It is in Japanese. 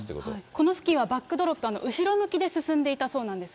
この付近はバックドロップ、後ろ向きで進んでいたそうなんです。